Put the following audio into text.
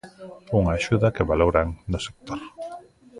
Unha axuda que valoran no sector.